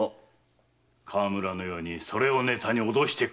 河村のようにそれをネタに脅してくる者もおる。